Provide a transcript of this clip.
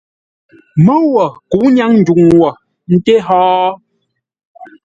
Môu wo kə̌u ńnyáŋ ndwuŋ wo ńté hó.